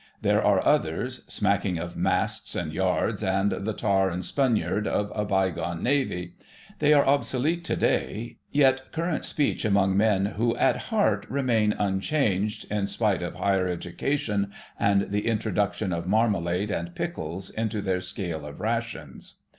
There are others, smacking of masts and yards, and the "Tar and Spunyarn" of a bygone Navy; they are obsolete to day, yet current speech among men who at heart remain unchanged, in spite of Higher Education and the introduction of marmalade and pickles into their scale of rations.